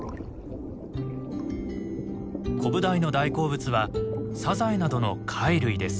コブダイの大好物はサザエなどの貝類です。